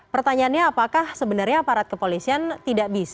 pertanyaannya apakah sebenarnya aparat kepolisian tidak bisa tidak bisa